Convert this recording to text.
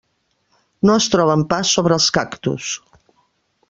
No es troben pas sobre els cactus.